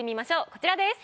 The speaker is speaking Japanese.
こちらです。